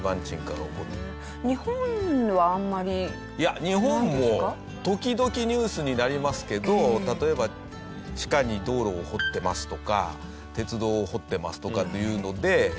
いや日本も時々ニュースになりますけど例えば地下に道路を掘ってますとか鉄道を掘ってますとかっていうので。